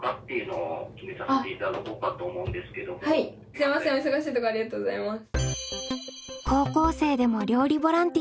すいませんお忙しいところありがとうございます。